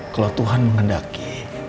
kalau tuhan mengendaki